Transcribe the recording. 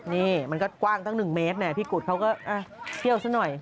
นี่มันก็กว้างตั้ง๑เมตรพี่กุฎเขาก็เที่ยวซะหน่อย